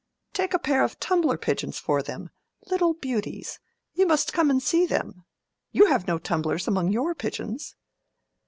Take a pair of tumbler pigeons for them—little beauties. You must come and see them. You have no tumblers among your pigeons."